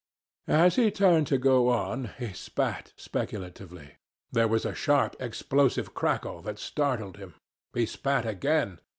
As he turned to go on, he spat speculatively. There was a sharp, explosive crackle that startled him. He spat again.